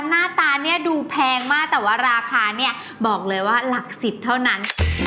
หน้าตาเนี่ยดูแพงมากแต่ว่าราคาเนี่ยบอกเลยว่าหลัก๑๐เท่านั้น